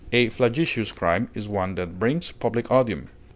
A flagitious crime is one that brings public odium.